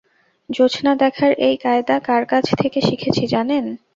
জোছনা দেখার এই কায়দা কার কাছ থেকে শিখেছি জানেন?